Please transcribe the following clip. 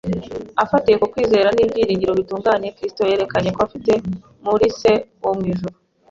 Afatiye ku kwizera n’ibyiringiro bitunganye Kristo yari yerekanye ko afite muri Se wo mu ijuru